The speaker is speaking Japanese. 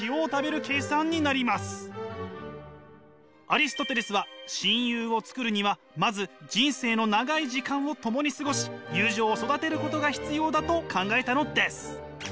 アリストテレスは親友を作るにはまず人生の長い時間を共に過ごし友情を育てることが必要だと考えたのです。